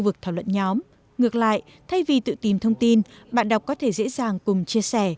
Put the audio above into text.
vực thảo luận nhóm ngược lại thay vì tự tìm thông tin bạn đọc có thể dễ dàng cùng chia sẻ